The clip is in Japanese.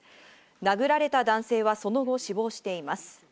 殴られた男性はその後、死亡しています。